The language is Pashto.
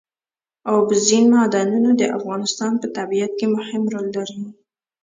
اوبزین معدنونه د افغانستان په طبیعت کې مهم رول لري.